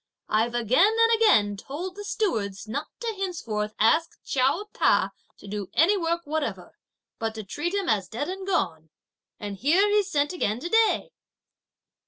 I've again and again told the stewards not to henceforward ask Chiao Ta to do any work whatever, but to treat him as dead and gone; and here he's sent again to day."